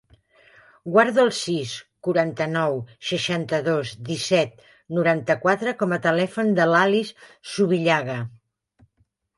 Guarda el sis, quaranta-nou, seixanta-dos, disset, noranta-quatre com a telèfon de l'Alice Zubillaga.